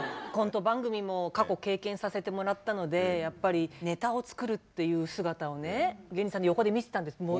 コント番組も過去経験させてもらったのでやっぱりネタを作るっていう姿をね芸人さんの横で見てたんです。